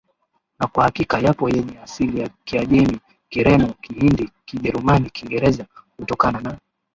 Na kwa hakika yapo yenye asili ya Kiajemi Kireno Kihindi Kijerumani Kiingereza kutokana na